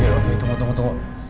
oke oke tunggu tunggu